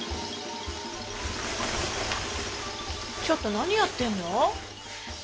ちょっと何やってんの！